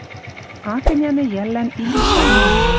Ак ӹнянӹ йӓллӓн изишӓт.